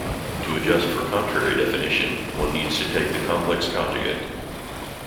To adjust for contrary definition, one needs to take the complex conjugate.